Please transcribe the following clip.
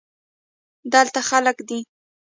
دلته خلگ دی.